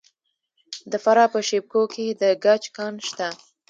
د فراه په شیب کوه کې د ګچ کان شته.